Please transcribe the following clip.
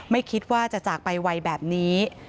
ไม่คิดว่าจะจากไปไวแบบนี้